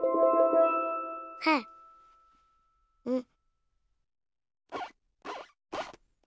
はあうん。